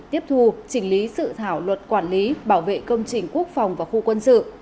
tiếp thu chỉnh lý sự thảo luật quản lý bảo vệ công trình quốc phòng và khu quân sự